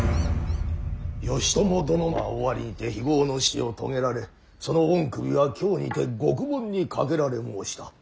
義朝殿は尾張にて非業の死を遂げられその御首は京にて獄門にかけられ申した。